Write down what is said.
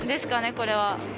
これは。